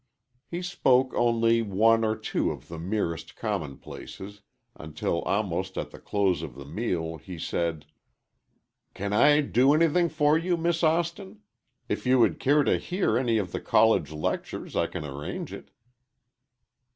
He spoke only one or two of the merest commonplaces, until almost at the close of the meal, he said: "Can I do anything for you, Miss Austin? If you would care to hear any of the College lectures, I can arrange it."